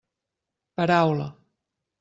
Paraula.